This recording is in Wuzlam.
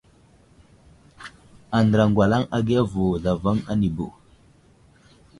Andra ŋgwalaŋ agiya vo zlavaŋ anibo.